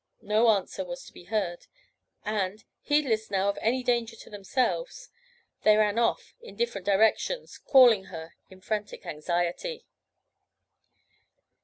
No answer was to be heard; and, heedless now of any danger to themselves, they ran off in different directions, calling her in frantic anxiety.